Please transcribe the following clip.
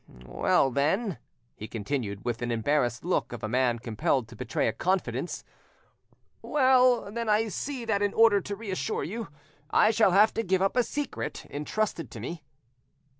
... Well, then," he continued, with the embarrassed look of a man compelled to betray a confidence,—"well, then, I see that in order to reassure you, I shall have to give up a secret entrusted to me."